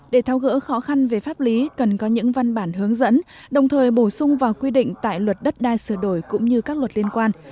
để thao gỡ khó khăn về pháp lý cần có những văn bản hướng dẫn đồng thời bổ sung vào quy định tại luật đất đai sửa đổi cũng như các luật liên quan